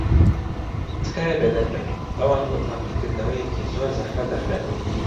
تکایە بێدەنگ بن. ئەوان بۆ تاقیکردنەوەیەکی زۆر زەحمەت دەخوێنن.